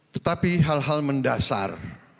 tetapi hal hal mendasar